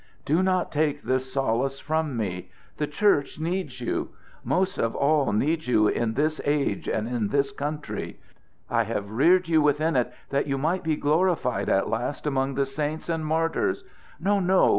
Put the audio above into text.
Do not take this solace from me. The Church needs you most of all needs you in this age and in this country. I have reared you within it that you might be glorified at last among the saints and martyrs. No, no!